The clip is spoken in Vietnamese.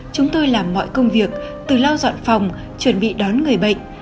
chúng tôi làm mọi công việc từ lau dọn phòng chuẩn bị đón người bệnh